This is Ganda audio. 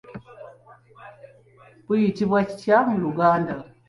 Buyitibwa kitya mu Luganda?